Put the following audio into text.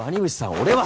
俺は。